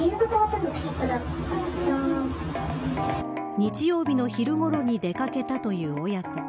日曜日の昼ごろに出掛けたという親子。